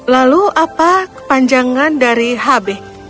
lalu apa kepanjangan dari hb